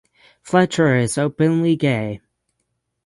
Fletcher is openly gay.